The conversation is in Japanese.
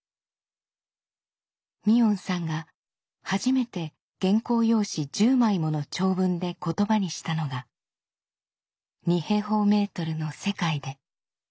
海音さんが初めて原稿用紙１０枚もの長文で言葉にしたのが「二平方メートルの世界で」。